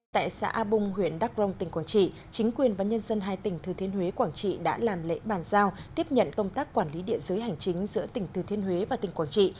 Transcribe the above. tại xã a bung huyện đắk rông tỉnh quảng trị chính quyền và nhân dân hai tỉnh thừa thiên huế quảng trị đã làm lễ bàn giao tiếp nhận công tác quản lý địa giới hành chính giữa tỉnh thừa thiên huế và tỉnh quảng trị